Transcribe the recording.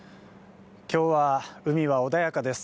今日は海は穏やかです。